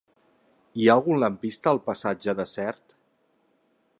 Hi ha algun lampista al passatge de Sert?